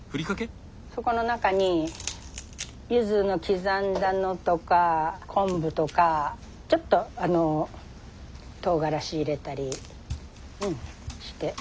そこの中にゆずの刻んだのとか昆布とかちょっととうがらし入れたりねして。